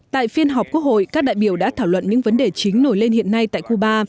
tại phiên họp quốc hội các đại biểu đã thảo luận những vấn đề chính nổi lên hiện nay tại cuba